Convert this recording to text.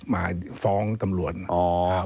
มาฟ้องตำรวจ